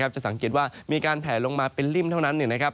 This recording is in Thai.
จะสังเกตว่ามีการแผลลงมาเป็นริ่มเท่านั้น